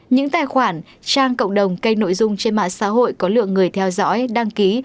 những tài khoản trang cộng đồng kênh nội dung trên mạng xã hội có lượng người theo dõi đăng ký